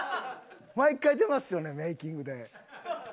毎回出ますよねメイキングで。